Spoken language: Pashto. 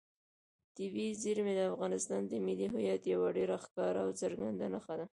طبیعي زیرمې د افغانستان د ملي هویت یوه ډېره ښکاره او څرګنده نښه ده.